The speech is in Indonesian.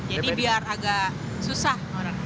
jadi biar agak susah